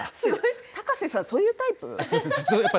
高瀬さん、そういうタイプ？